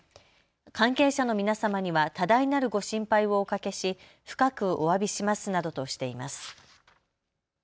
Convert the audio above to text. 関係者の皆様には多大なるご心配をおかけし深くおわびしますなどとしています。